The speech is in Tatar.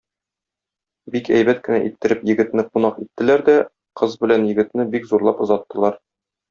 Бик әйбәт кенә иттереп егетне кунак иттеләр дә кыз белән егетне бик зурлап озаттылар.